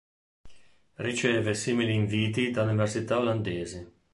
Riceve simili inviti da università olandesi.